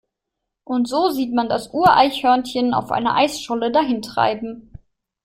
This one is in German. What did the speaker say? Und so sieht man das Ureichhörnchen auf einer Eisscholle dahintreiben.